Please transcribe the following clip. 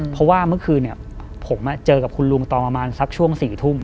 เพราะว่าเมื่อคืนผมเจอกับคุณลุงตอนประมาณสักช่วง๔ทุ่ม